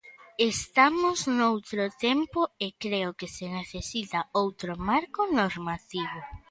Estamos noutro tempo e creo que se necesita outro marco normativo.